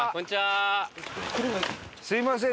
すみません。